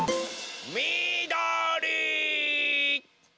みどり！